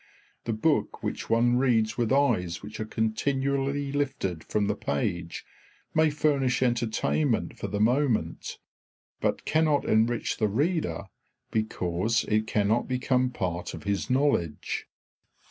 The book which one reads with eyes which are continually lifted from the page may furnish entertainment for the moment, but cannot enrich the reader, because it cannot become part of his knowledge.